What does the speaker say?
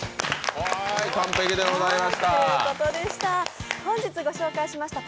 完璧でございました。